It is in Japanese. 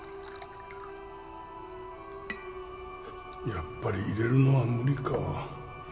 やっぱり入れるのは無理か